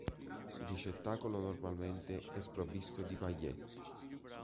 Il ricettacolo normalmente è sprovvisto di pagliette.